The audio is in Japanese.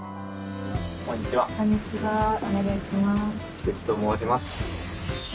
菊池と申します。